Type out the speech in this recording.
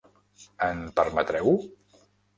Em permetreu?